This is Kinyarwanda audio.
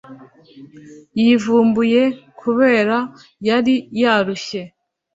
yivumbuye kubera yari yarushye